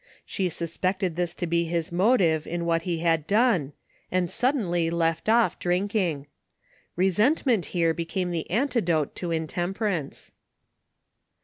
She suspected this to be his motive in what he had done, and suddenly left off drinking, Re sentment here became the antidote to intemperance.